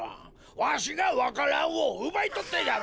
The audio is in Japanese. わしがわか蘭をうばいとってやる！